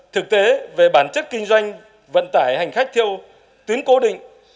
thực tế về bản chất kinh doanh vận tải hành khách theo tuyến cố định